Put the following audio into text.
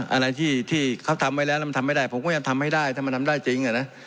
อะไรที่เขาทำไว้แล้วแล้วมันทำไม่ได้ผมก็ยังทำให้ได้ถ้ามันทำได้จริง